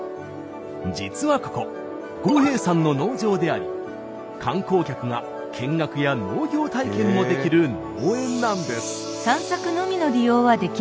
実はここ五兵衛さんの農場であり観光客が見学や農業体験もできる農園なんです。